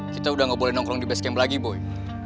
kita udah gak boleh nongkrong di base camp lagi boy